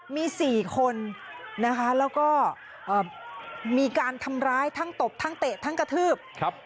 มี๔คนนะคะแล้วก็มีการทำร้ายทั้งตบทั้งเตะทั้งกระทืบ